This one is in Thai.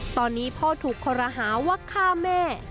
ตอนนี้พ่อถูกคอรหาว่าฆ่าแม่